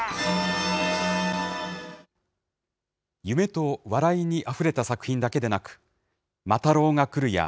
夢と笑いにあふれた作品だけでなく、魔太郎がくる！！